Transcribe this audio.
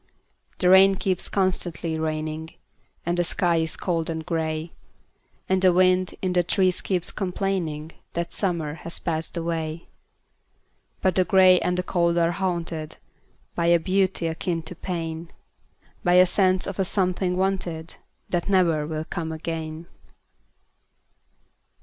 The rain keeps constantly raining, And the sky is cold and gray, And the wind in the trees keeps complainingThat summer has passed away;—But the gray and the cold are hauntedBy a beauty akin to pain,—By a sense of a something wanted, That never will come again.